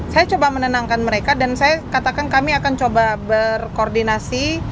saya coba menenangkan mereka dan saya katakan kami akan coba berkoordinasi